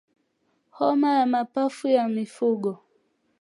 Homa ya mapafu ya mifugo